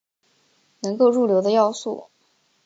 能够入流的要素。